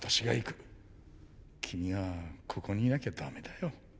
君はここにいなきゃ駄目だよ。